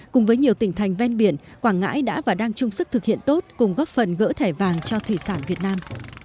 cùng với nhiều tỉnh thành ven biển quảng ngãi đã và đang chung sức thực hiện tốt cùng góp phần gỡ thẻ vàng cho thủy sản việt nam